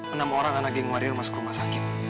enam orang anak geng waria masuk rumah sakit